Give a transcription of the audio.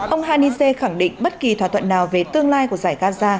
ông hanise khẳng định bất kỳ thỏa thuận nào về tương lai của giải gaza